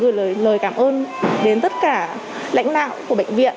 gửi lời cảm ơn đến tất cả lãnh đạo của bệnh viện